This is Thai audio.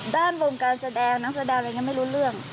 ด้านวงการแสดงนักแสดงอะไรอย่างนี้ไม่รู้เรื่อง